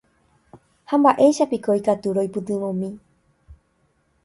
Ha mba'éichapiko ikatu roipytyvõmi